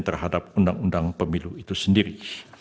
terhadap undang undang pemilu itu sendiri